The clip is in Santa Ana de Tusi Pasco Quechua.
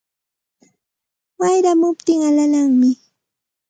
Wayramuptin alalanmi